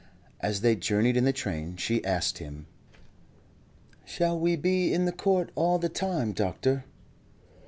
As they journeyed in the train she asked him: "Shall we be in the court all the time, doctor?"